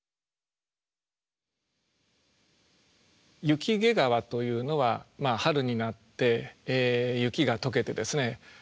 「雪解川」というのは春になって雪が解けてですね